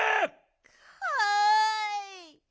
はい。